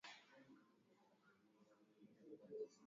waliwahi kuwasilishwa wakati wa kikao cha maafisa wa ujasusi kati ya